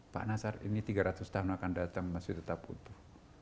pak nasar ini tiga ratus tahun akan datang masih tetap utuh